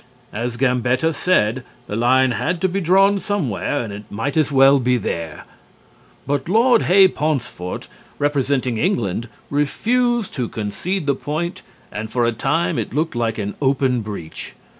As Gambetta said, the line had to be drawn somewhere and it might as well be there. But Lord Hay Paunceforte, representing England, refused to concede the point and for a time it looked like an open breach.